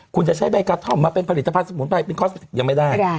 คุณจะใช้ใบกระท่อมมาเป็นผลิตภัณฑ์สมุนไพรเป็นคอสติกยังไม่ได้